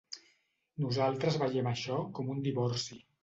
Nosaltres veiem això com un divorci.